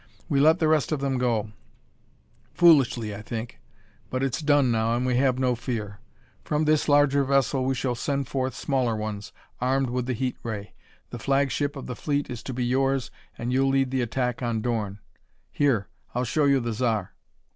We let the rest of them go; foolishly I think. But it's done now and we have no fear. From this larger vessel we shall send forth smaller ones, armed with the heat ray. The flagship of the fleet is to be yours and you'll lead the attack on Dorn. Here I'll show you the Zar."